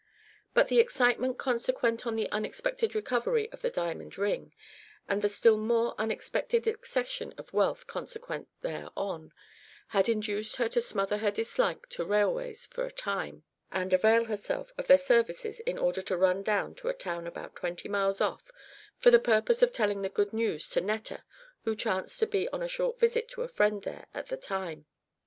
But the excitement consequent on the unexpected recovery of the diamond ring, and the still more unexpected accession of wealth consequent thereon, had induced her to smother her dislike to railways for a time, and avail herself of their services in order to run down to a town about twenty miles off for the purpose of telling the good news to Netta, who chanced to be on a short visit to a friend there at the time.